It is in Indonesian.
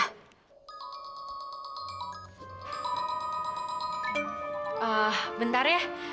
eh bentar ya